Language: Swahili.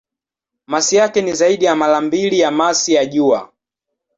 Masi yake ni zaidi ya mara mbili ya masi ya Jua.